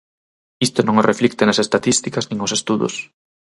Isto non o reflicten as estatísticas nin os estudos.